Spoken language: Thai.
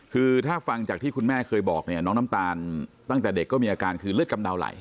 คือถ้าฟังจากที่คุณแม่เคยบอกเนี่ยน้องน้ำตาลตั้งแต่เด็กก็มีอาการคือเลือดกำเดาไหล